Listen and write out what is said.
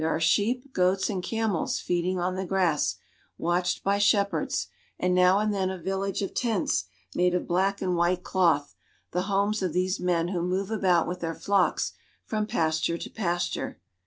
There are sheep, goats, and camels feeding on the grass, watched by shep herds, and now and then a village of tents, made of black and white cloth, the homes of these men who move about with their flocks from pasture to pasture.